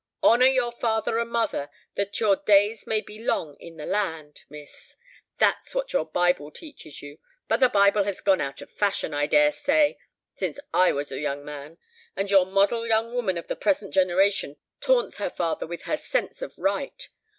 'Honour your father and your mother, that your days may be long in the land,' miss, that's what your Bible teaches you; but the Bible has gone out of fashion, I dare say, since I was a young man; and your model young woman of the present generation taunts her father with her sense of right.